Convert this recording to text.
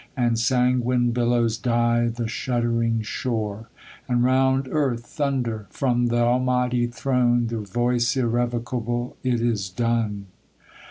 And sanguine billows dye the shuddering shore ; And round earth thunder, from th' Almighty throne, The voice irrevocable, IT IS DONE.